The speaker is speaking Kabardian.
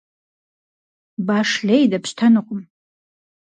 Баш лей дэпщтэнукъым.